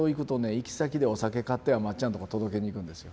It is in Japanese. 行き先でお酒買ってはまっちゃんのとこ届けに行くんですよ。